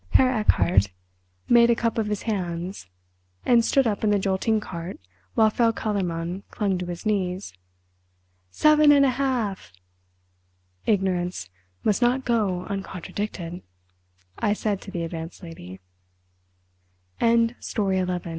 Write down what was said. Herr Erchardt made a cup of his hands and stood up in the jolting cart while Frau Kellermann clung to his knees. "Seven and a half!" "Ignorance must not go uncontradicted!" I said to the Advanced Lady.